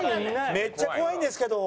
めっちゃ怖いんですけどー。